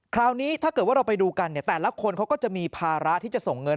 คราวนี้ถ้าเกิดว่าเราไปดูกันเนี่ยแต่ละคนเขาก็จะมีภาระที่จะส่งเงิน